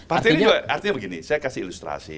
artinya begini saya kasih ilustrasi